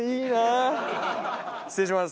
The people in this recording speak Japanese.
失礼します。